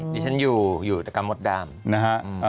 นี่ฉันอยู่อยู่ดกรรมพุทธดำ